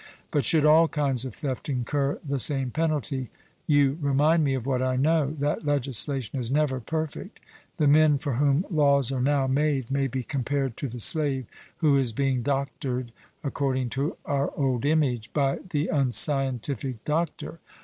'But should all kinds of theft incur the same penalty?' You remind me of what I know that legislation is never perfect. The men for whom laws are now made may be compared to the slave who is being doctored, according to our old image, by the unscientific doctor.